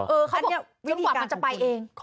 นี่คือวิธีการขึ้นขึ้น